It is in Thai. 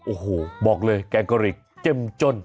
โอ้โหบอกเลยแกงกะหรี่เจ็บจน